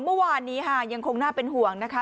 เมื่อวานนี้ค่ะยังคงน่าเป็นห่วงนะคะ